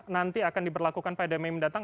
nanti akan diberlakukan pada mei mendatang